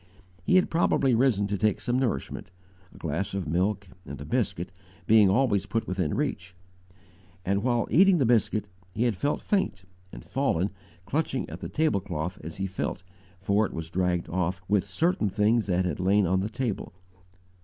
He had probably risen to take some nourishment a glass of milk and a biscuit being always put within reach and, while eating the biscuit, he had felt faint, and fallen, clutching at the table cloth as he fell, for it was dragged off, with certain things that had lain on the table.